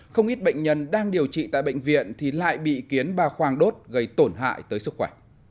không ít bệnh nhân đang điều trị tại bệnh viện thì lại bị kiến bà khoang đốt gây tổn hại tới sức khỏe